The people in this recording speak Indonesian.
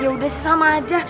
ya udah sama aja